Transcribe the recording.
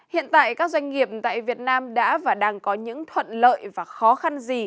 hiện tại các doanh nghiệp tại việt nam đã và đang có những thuận lợi và khó khăn gì